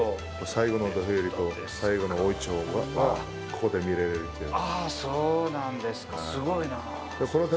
最後の土俵入りと、最後の大いちょうはここで見られるという。